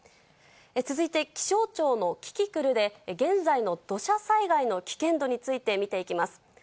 続いて気象庁のキキクルで、現在の土砂災害の危険度について見ていきます。